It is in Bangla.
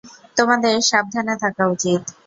তোমাদের সাবধানে থাকা উচিত।